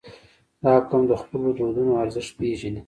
• دا قوم د خپلو دودونو ارزښت پېژني.